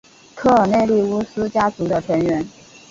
科尔内利乌斯家族的成员。